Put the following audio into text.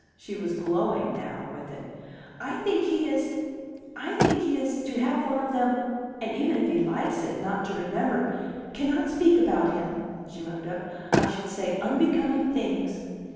She was glowing now with it. "I think he is I think he is to have one of them and even if he likes it, not to remember cannot speak about him!" she wound up "I should say unbecoming things."